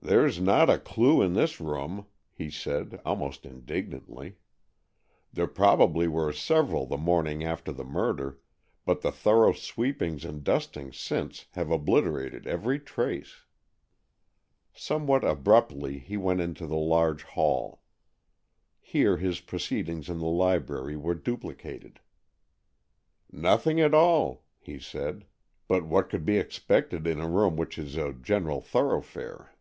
"There's not a clue in this room," he said almost indignantly. "There probably were several the morning after the murder, but the thorough sweepings and dustings since have obliterated every trace." Somewhat abruptly he went into the large hall. Here his proceedings in the library were duplicated. "Nothing at all," he said; "but what could be expected in a room which is a general thoroughfare?"